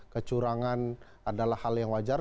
kecurangan adalah hal yang wajar